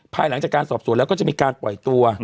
ภายหลังจากการสอบสวนแล้วก็จะมีการปล่อยตัว